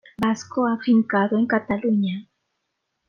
Vasco afincado en Cataluña.